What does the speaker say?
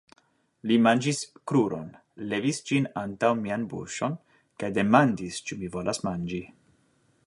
Li manĝis kruron, levis ĝin antaŭ mian buŝon kaj demandis ĉu mi volas manĝi.